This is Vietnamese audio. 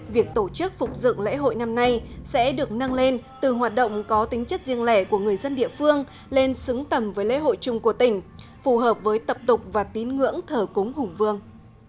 việc tổ chức phục dựng lễ hội năm nay sẽ được nâng lên từ hoạt động có tính chất riêng lẻ của người dân địa phương lên xứng tầm với lễ hội chung của tỉnh phù hợp với tập tục và tín ngưỡng thờ cúng hùng vương